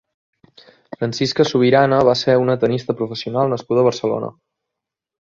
Francisca Subirana va ser una tennista professional nascuda a Barcelona.